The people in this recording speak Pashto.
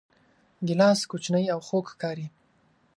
ګیلاس کوچنی او خوږ ښکاري.